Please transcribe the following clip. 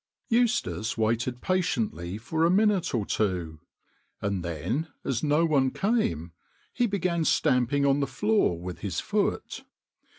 Eustace waited patiently for a minute or two, and then as no one came he began stamping on the floor with his foot.